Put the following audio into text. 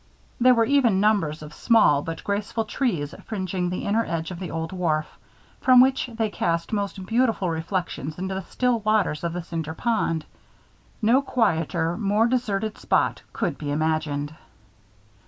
There were even numbers of small but graceful trees fringing the inner edge of the old wharf, from which they cast most beautiful reflections into the still waters of the Cinder Pond. No quieter, more deserted spot could be imagined.